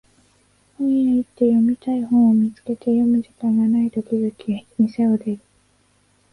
本屋行って読みたい本を見つけて読む時間がないと気づき店を出る